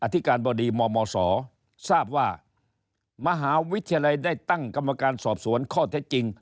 ธิการบดีมมศทราบว่ามหาวิทยาลัยได้ตั้งกรรมการสอบสวนข้อเท็จจริง